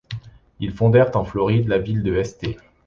Ils fondèrent en Floride la ville de St.